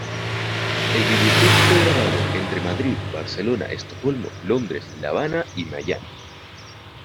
El videoclip fue grabado entre Madrid, Barcelona, Estocolmo, Londres, La Habana y Miami.